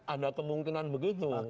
ada kemungkinan begitu